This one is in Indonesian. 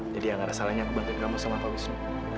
jadi yang ada salahnya aku bantu kamu sama pak wisnu